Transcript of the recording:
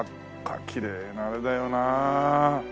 きれいなあれだよな！